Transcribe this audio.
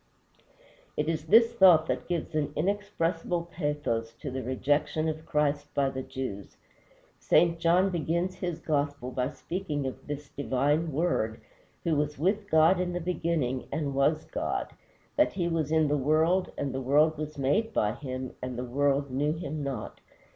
It is this thought that gives an inexpressible pathos to the rejection of Christ by the Jews. St. John begins his gospel by speaking of this divine Word, who was with God in the beginning, and was God; that he was in the world, and the world was made by him, and the world knew him not.